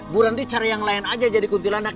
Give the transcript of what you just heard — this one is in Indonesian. bu nanti cari yang lain aja jadi kunti landak